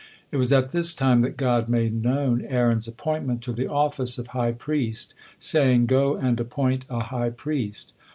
It was at this time that God made known Aaron's appointment to the office of high priest, saying: "Go and appoint a high priest."